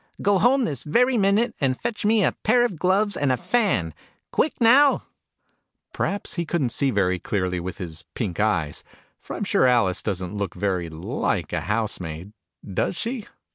" Go home this very minute, and fetch me a pair of gloves and a fan ! Quick, now !" Perhaps he couldn't see very clearly with his pink eyes : for I'm sure Alice doesn't look very like a housemaid, does she